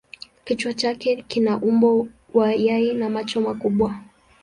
Kichwa chake kina umbo wa yai na macho makubwa.